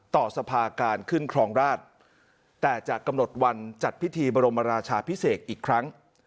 สภาการขึ้นครองราชแต่จะกำหนดวันจัดพิธีบรมราชาพิเศษอีกครั้ง